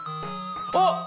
あっ！